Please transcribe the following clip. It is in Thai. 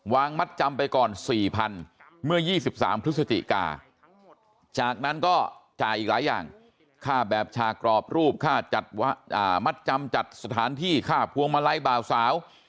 มัดจำไปก่อน๔๐๐๐เมื่อ๒๓พฤศจิกาจากนั้นก็จ่ายอีกหลายอย่างค่าแบบชากรอบรูปค่ามัดจำจัดสถานที่ค่าพวงมาลัยบ่าวสาว